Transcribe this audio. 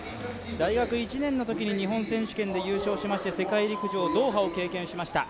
大学１年のときに日本選手権で優勝しまして世界陸上ドーハを経験しました。